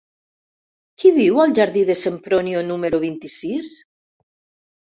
Qui viu al jardí de Sempronio número vint-i-sis?